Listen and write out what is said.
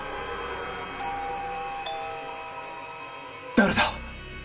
誰だ？